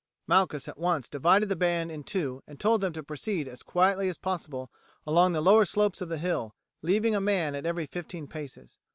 Malchus at once divided the band in two and told them to proceed as quietly as possible along the lower slopes of the hill, leaving a man at every fifteen paces.